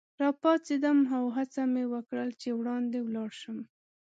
راپاڅېدم او هڅه مې وکړل چي وړاندي ولاړ شم.